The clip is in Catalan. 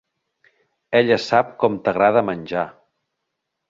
Ella sap com t'agrada menjar.